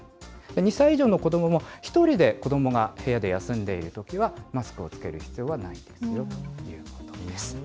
２歳以上の子どもも、１人で子どもが部屋で休んでいるときは、マスクを着ける必要はないですよということです。